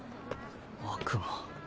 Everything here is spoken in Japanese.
悪魔。